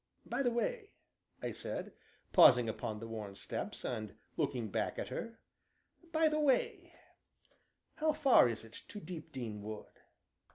"By the way," I said, pausing upon the worn steps, and looking back at her, "by the way, how far is it to Deepdene Wood?"